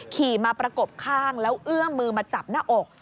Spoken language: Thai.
ขี่มาประกบข้างแล้วเอื้อมมือมาจับหน้าอก